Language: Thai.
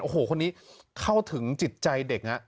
โอ้โหคนนี้เข้าถึงจิตใจเด็ก